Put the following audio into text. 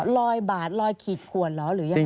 รอยบาทรอยกีดขวนเหรอหรืออย่างไร